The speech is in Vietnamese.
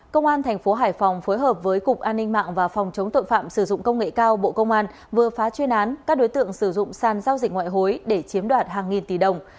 công an thành phố hải phòng phối hợp với cục an ninh mạng và phòng chống tội phạm sử dụng công nghệ cao bộ công an vừa phá chuyên án các đối tượng sử dụng sàn giao dịch ngoại hối để chiếm đoạt hàng nghìn tỷ đồng